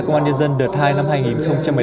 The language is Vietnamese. công an nhân dân đợt hai năm hai nghìn một mươi chín